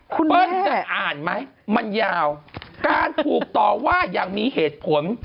จะอ่านมั๊ยมันยาวการพูดต่อว่ายังมีเหตุผล